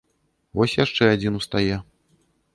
Вось яшчэ адзін устае.